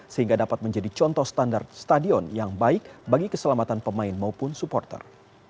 sehingga dapat menjadi contoh standar stadion yang baik bagi keselamatan pemain maupun supporter